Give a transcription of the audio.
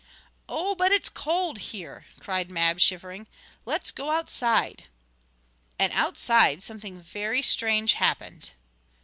"Oh, but it's cold here!" cried Mab shivering. "Let's go outside." And outside something very strange happened.